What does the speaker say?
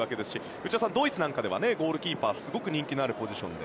内田さん、ドイツなんかではゴールキーパー人気があるポジションで。